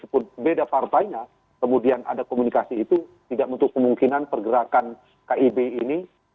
beda partainya kemudian ada komunikasi itu tidak menutup kemungkinan pergerakan kib ini